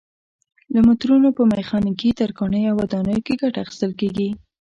له مترونو په میخانیکي، ترکاڼۍ او ودانیو کې ګټه اخیستل کېږي.